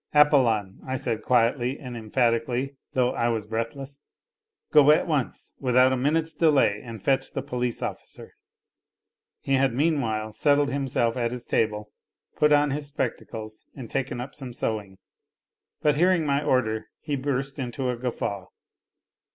" Apollon," I said quietly and emphatically, though I was breathless, "go at once without a minute's delay and fetch the police officer." He had meanwhile settled himself at his table, put on his spectacles and taken up some sewing. But, hearing my order, he burst into a guffaw.